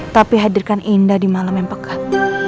tapi hadirkan indah di malam yang pekat